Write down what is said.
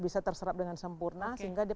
bisa terserap dengan sempurna sehingga dia